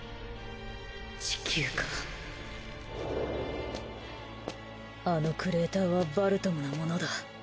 地球かあのクレーターはヴァルトムのものだ。